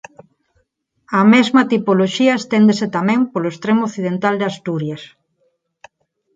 A mesma tipoloxía esténdese tamén polo extremo occidental de Asturias.